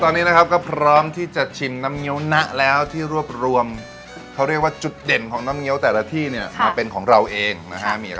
ตอนนี้นะครับก็พร้อมที่จะชิมน้ำเงี๊ยวนะแล้วที่รวบรวมคือว่าจุดเด่นของต้นที่นี่ใช่เป็นของเราเองนะฮะมี